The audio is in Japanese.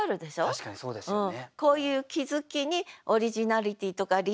確かにそうですよね。